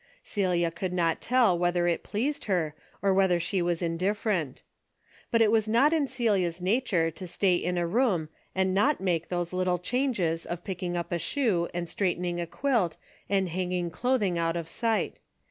Celia could not tell whether it pleased her or whether she was indifferent. But it was not in Celia's nature to stay in a room and not make those little changes of picking up a shoe and straighten ing a quilt and hanging clothing out of sight.